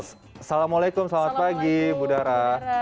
assalamualaikum selamat pagi budara